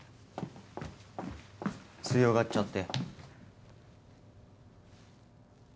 強がっちゃって。